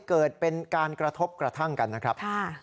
เกิดเป็นการกระทบกระทั่งกันนะครับ